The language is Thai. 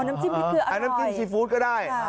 อ๋อน้ำจิ้มพริกเกลืออร่อยอ๋อน้ำจิ้มซีฟู้ดก็ได้